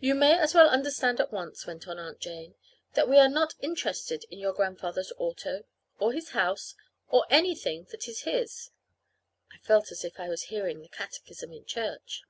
"You may as well understand at once," went on Aunt Jane, "that we are not interested in your grandfather's auto, or his house, or anything that is his." (I felt as if I was hearing the catechism in church!)